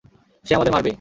সে আমাদের মারবে!